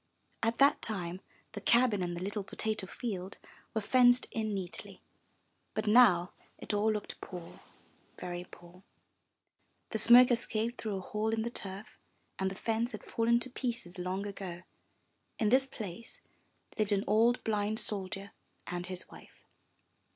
At that time the cabin and the little potato field were fenced in neatly. But now it all looked poor, very poor. The smoke escaped through a hole in the turf and the fence had fallen to pieces long ago. In this place lived an old blind soldier and his wife.